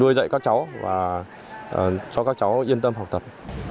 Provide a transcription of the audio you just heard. nuôi dạy các cháu và cho các cháu yên tâm học tập